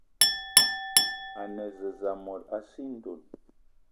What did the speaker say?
A ne zeze mot a sii ndonn